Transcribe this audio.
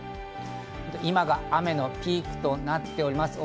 今が雨のピークとなっております。